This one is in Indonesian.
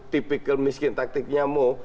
typical miskin taktiknya mo